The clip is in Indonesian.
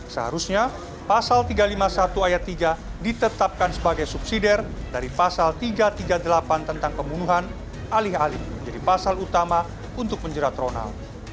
seharusnya pasal tiga ratus lima puluh satu ayat tiga ditetapkan sebagai subsidi dari pasal tiga ratus tiga puluh delapan tentang pembunuhan alih alih menjadi pasal utama untuk menjerat ronald